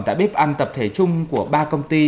tại bếp ăn tập thể chung của ba công ty